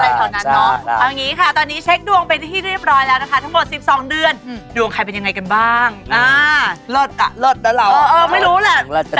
อาจารย์นิดก่อนระหว่างสกาวกับอภิษฐ์